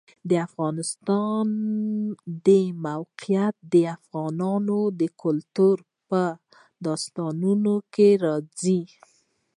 د افغانستان د موقعیت د افغان کلتور په داستانونو کې راځي.